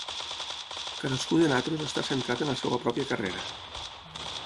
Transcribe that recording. Cadascú de nosaltres està centrat en la seva pròpia carrera.